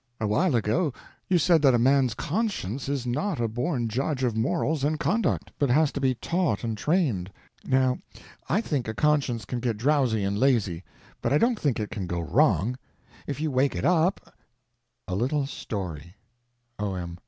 A while ago you said that man's conscience is not a born judge of morals and conduct, but has to be taught and trained. Now I think a conscience can get drowsy and lazy, but I don't think it can go wrong; if you wake it up— A Little Story O.M.